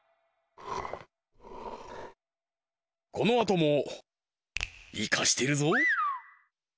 このあともイカしてるぞ！